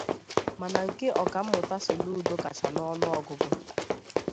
mana nke Ọkammụta Soludo kacha n'ọnụọgụgụ